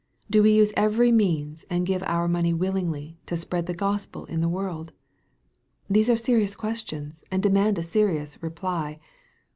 Do we use every means, and give our money willingly, to spread the Gospel in the world ? These are serious questions, and demand a serious reply.